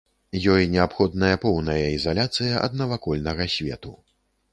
Ёй неабходная поўная ізаляцыя ад навакольнага свету.